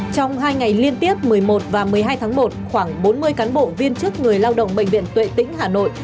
trong hai ngày liên tiếp một mươi một và một mươi hai tháng một khoảng bốn mươi cán bộ viên chức người lao động bệnh viện tuệ tĩnh hà nội